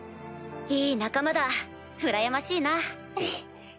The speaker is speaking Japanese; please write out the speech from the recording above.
いい仲間だうらやましいな。